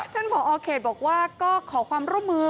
ผอเขตบอกว่าก็ขอความร่วมมือ